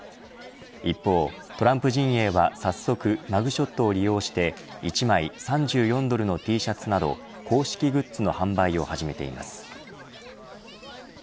一方、トランプ陣営は早速マグショットを利用して１枚３４ドルのＴシャツなど、公式グッズの販売を始めています。